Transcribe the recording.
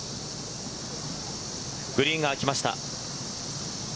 グリーンが空きました。